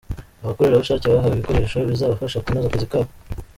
Abakorerabushake bahawe ibikoresho bizabafasha kunoza akazi kabo.